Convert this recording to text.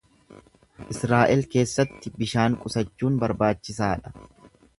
Israa’el keessatti bishaan qusachuun barbaachisaa dha.